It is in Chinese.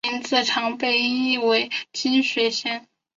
名字常被音译为金雪贤。